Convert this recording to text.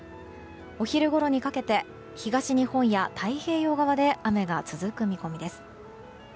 お昼ごろにかけて東日本や太平洋側で雨が続く見込みです。